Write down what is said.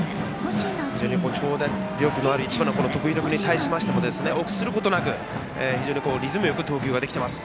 非常に長打力もある徳弘君に対しても臆することなく非常にリズムよく投球ができています。